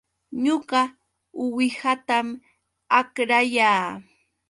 Ñuqa uwihatam akrayaa